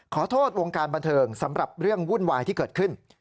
ขอโทษวงการบันเทิงสำหรับเรื่องวุ่นวายที่เกิดขึ้น